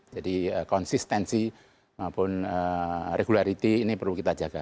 jadi konsistensi maupun regularity ini perlu kita jaga